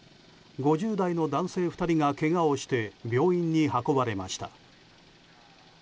５０代の男性２人がけがをして病院に運ばれました。